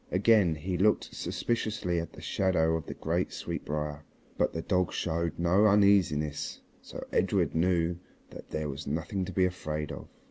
Again he looked suspiciously at the shadow of the great sweetbrier, but the dog showed no uneasiness, so Edred knew that there was nothing to be afraid of.